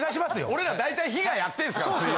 俺ら大体被害あってんっすから。